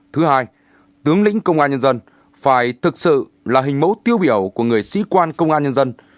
thứ hai tướng lĩnh công an nhân dân phải thực sự là hình mẫu tiêu biểu của người sĩ quan công an nhân dân